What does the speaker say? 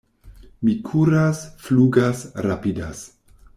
Mi kuras, flugas, rapidas!